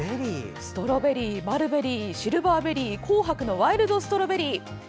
ストロベリー、マルベリーシルバーベリー紅白のワイルドストロベリー。